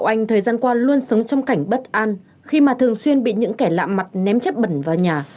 bảo anh thời gian qua luôn sống trong cảnh bất an khi mà thường xuyên bị những kẻ lạ mặt ném chép bẩn vào nhà